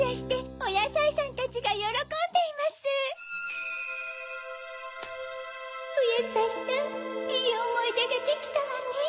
おやさいさんいいおもいでができたわね。